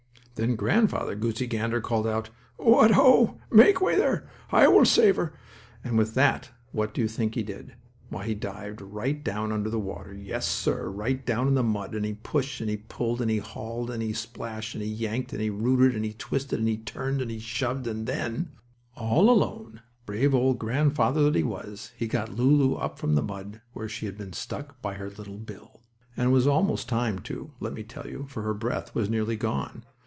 Then Grandfather Goosey Gander called out: "What ho! Make way there! I will save her!" And with that, what do you think he did? Why, he dived right down under the water, yes, sir, right down in the mud, and he pushed, and he pulled, and he hauled and he splashed, and he yanked, and he rooted, and he twisted, and he turned, and he shoved, and then, all alone, brave old grandfather that he was, he got Lulu up from the mud, where she had been stuck by her little bill! And it was almost time, too, let me tell you, for her breath was nearly gone.